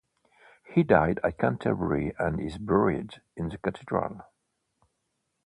He died at Canterbury and is buried in the Cathedral.